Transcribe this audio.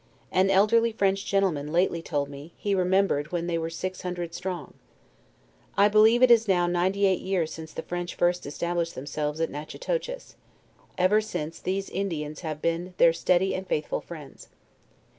An elderly French gentleman lately told ;ne, he remembered when they were six hundred strong. I believe it is now ninety eight years since the French first established them selves at Natchitoches; ever since these Indians have been their steady and faithful friends.